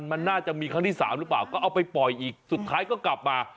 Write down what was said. มันน่าจะมีครั้งที่สามหรือเปล่าก็เอาไปปล่อยอีกสุดท้ายก็กลับมา